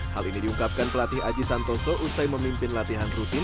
hal ini diungkapkan pelatih aji santoso usai memimpin latihan rutin